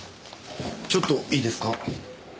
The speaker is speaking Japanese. ちょっといいですか。